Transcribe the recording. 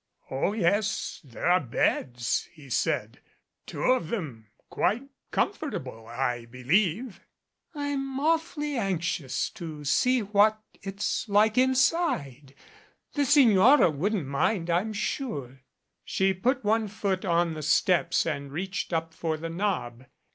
"Oh, yes, there are beds," he said; "two of them quite comfortable, I believe." "I'm awfully anxious to see what it's like inside. The Signora wouldn't mind, I'm sure " She put one foot on the steps and reached up for the knob.